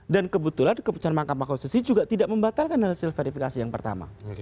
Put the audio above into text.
dan kebetulan keputusan mahkamah kostesi juga tidak membatalkan hasil verifikasi yang pertama